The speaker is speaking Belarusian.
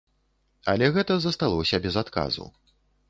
Але гэта засталося без адказу.